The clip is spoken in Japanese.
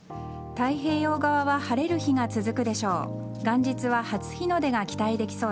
太平洋側は晴れる日が続くでしょう。